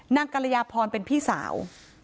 กรยาพรเป็นพี่สาว